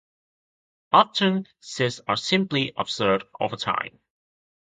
Often, cysts are simply observed over time.